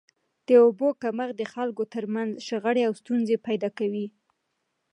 د اوبو کمښت د خلکو تر منځ شخړي او ستونزي پیدا کوي.